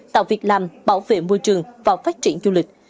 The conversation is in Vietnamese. tạo việc làm bảo vệ môi trường và phát triển du lịch